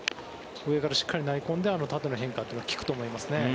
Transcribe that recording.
上からしっかり投げ込んで縦の変化というのが効くと思いますね。